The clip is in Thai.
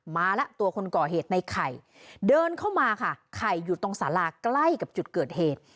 มาแล้วตัวคนก่อเหตุในไข่เดินเข้ามาค่ะไข่อยู่ตรงสาราใกล้กับจุดเกิดเหตุ